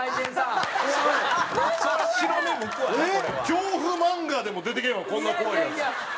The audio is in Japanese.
恐怖漫画でも出てけえへんわこんな怖いやつ。